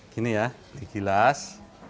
gini ya digilas